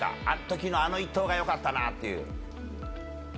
あのときのあの一投がよかったなっていう。